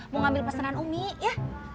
mau ngambil pesanan umi ya